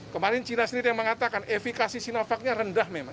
kemarin cina sendiri yang mengatakan efekasi sinovacnya rendah memang